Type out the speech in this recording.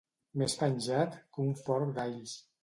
Més penjat que un forc d'alls.